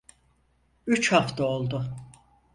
Üç hafta oldu.